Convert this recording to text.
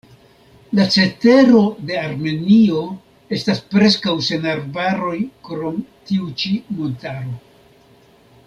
La cetero de Armenio estas preskaŭ sen arbaroj krom tiu ĉi montaro.